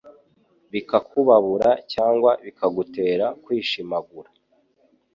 bikakubabura cyangwa bikagutera kwishimagura